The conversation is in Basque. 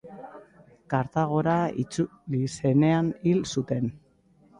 Kartagora itzuli zenean hil zuten.